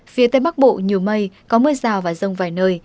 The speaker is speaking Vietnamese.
phía tây bắc bộ nhiều mây có mưa rào và rông vài nơi